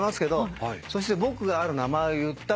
そして僕がある名前を言ったんです。